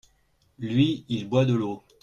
lui, il boit de l'eau.